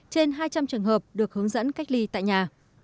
trên hai trăm linh trường hợp được hướng dẫn cách ly tại nhà